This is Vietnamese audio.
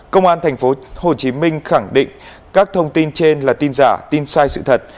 công an tp hcm khẳng định các thông tin trên là tin giả tin sai sự thật